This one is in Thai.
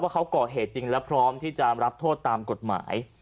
เขาก่อเหตุจริงและพร้อมที่จะรับโทษตามกฎหมาย